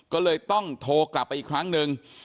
ก็เลยต้องโทรกลับไปอีกครั้งหนึ่ง